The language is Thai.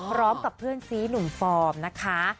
พร้อมกับเพื่อนซีหนุ่มฟอร์มนะคะ